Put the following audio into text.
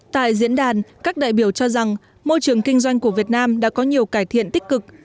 tại diễn đàn các đại biểu cho rằng môi trường kinh doanh của việt nam đã có nhiều cải thiện tích cực